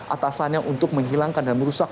atasannya untuk menghilangkan dan merusak